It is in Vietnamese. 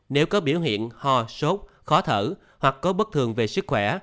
nếu có biểu hiện ho sốt khó thở hoặc có bất thường về sức khỏe